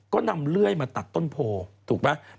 ก็นำเลื่อยมาตัดต้นโพถูกป่ะ